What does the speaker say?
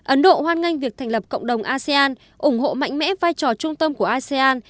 ấn độ hoan nghênh việc thành lập cộng đồng asean ủng hộ mạnh mẽ vai trò trung tâm của asean